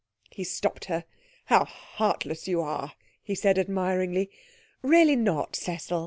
He stopped her. 'How heartless you are!' he said admiringly. 'Really not, Cecil.